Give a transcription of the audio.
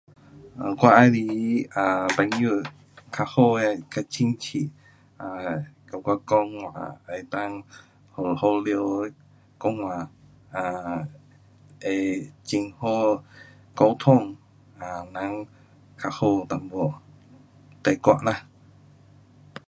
um 我喜欢 um 朋友较好的，跟亲戚 um 跟我讲话能够好好了讲话 um 能很好沟通，um 人较好一点，对我啦